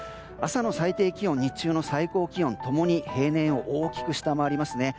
朝の最低気温日中の最高気温共に平年を大きく下回ります。